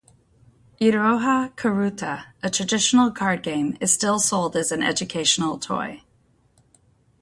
"Iroha karuta", a traditional card game, is still sold as an educational toy.